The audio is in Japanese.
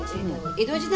江戸時代